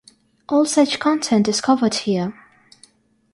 All such content is covered here.